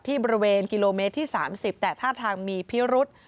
บริเวณกิโลเมตรที่๓๐แต่ท่าทางมีพิรุษ